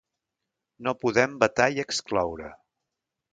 No podem vetar i excloure.